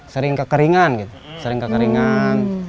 sering kekeringan gitu sering kekeringan